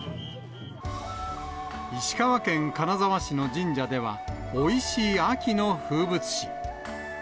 石川県金沢市の神社では、おいしい秋の風物詩。